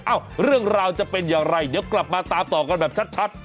เรื่องราวจะเป็นอย่างไรเดี๋ยวกลับมาตามต่อกันแบบชัด